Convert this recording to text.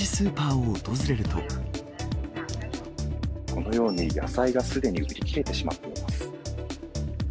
このように、野菜がすでに売り切れてしまっています。